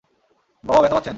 বাবা ব্যথা পাচ্ছেন।